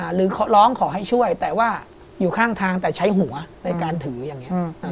หรือร้องขอให้ช่วยแต่ว่าอยู่ข้างทางแต่ใช้หัวในการถืออย่างนี้